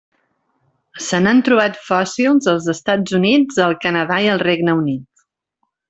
Se n'han trobat fòssils als Estats Units, el Canadà i el Regne Unit.